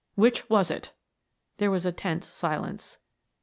Which was it?" There was a tense silence.